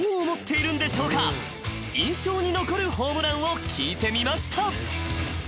［印象に残るホームランを聞いてみました］